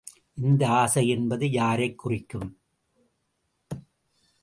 இந்த ஆசை என்பது யாரைக் குறிக்கும்?